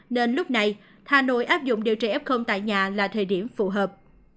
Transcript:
nên lúc này hà nội áp dụng điều trị f tại nhà là thời điểm phù hợp